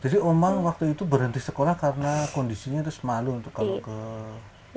jadi omang waktu itu berhenti sekolah karena kondisinya itu semalu untuk ke sekolah